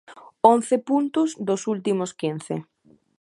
Once puntos dos últimos quince.